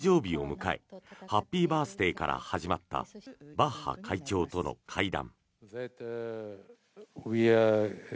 昨日、小池都知事が誕生日を迎えハッピーバースデーから始まったバッハ会長との会談。